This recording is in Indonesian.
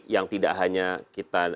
yang tidak hanya kita